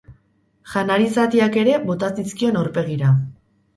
Janari zatiak ere bota zizkion aurpegira.